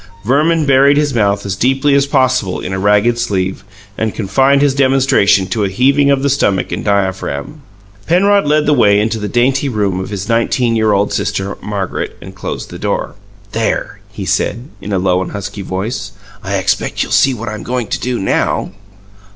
Verman buried his mouth as deeply as possible in a ragged sleeve, and confined his demonstrations to a heaving of the stomach and diaphragm. Penrod led the way into the dainty room of his nineteen year old sister, Margaret, and closed the door. "There," he said, in a low and husky voice, "I expect you'll see what I'm goin' to do now!"